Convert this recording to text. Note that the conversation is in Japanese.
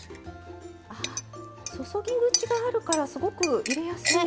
あ注ぎ口があるからすごく入れやすい。